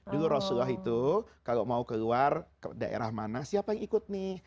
dulu rasulullah itu kalau mau keluar ke daerah mana siapa yang ikut nih